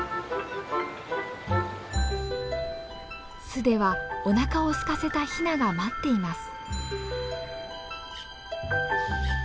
巣ではおなかをすかせたヒナが待っています。